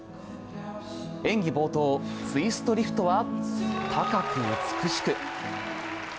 演技冒頭、ツイストリフトは高く美しく。